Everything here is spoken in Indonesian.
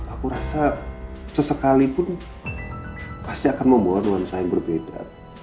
aku rasa sesekalipun pasti akan membawa ruang sayang berbeda